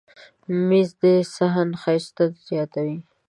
مېز د صحن ښایست زیاتوي.